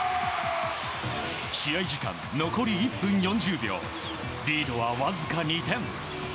試合時間、残り１分４０秒リードはわずか２点。